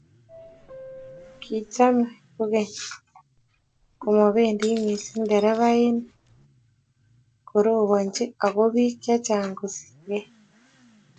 kachame kogeny komabendi missing nderefainik ngorobanji ago biik chechang kosirgei